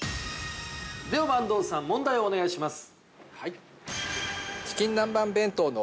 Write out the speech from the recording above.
では、阪東さん、問題をお願いします。